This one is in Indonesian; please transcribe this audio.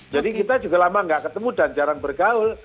jadi kita juga lama nggak ketemu dan jarang bergaul